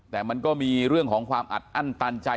แต่มันก็มีเรื่องของความอัดอั้นตันใจ